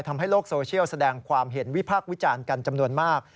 ทำให้โลกโซเชียลแสดงความเห็นวิพากษ์วิจารณ์กันจำนวนมาก